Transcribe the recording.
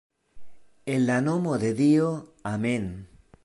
En la nomo de Dio, Amen'.